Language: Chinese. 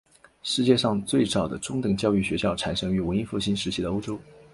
世界上最早的中等教育学校产生于文艺复兴时期的欧洲。